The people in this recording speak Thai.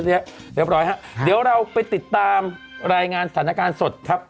เรียบร้อยฮะเดี๋ยวเราไปติดตามรายงานสถานการณ์สดครับ